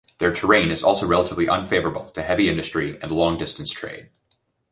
Their terrain is also relatively unfavourable to heavy industry and long-distance trade.